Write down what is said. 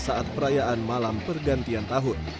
saat perayaan malam pergantian tahun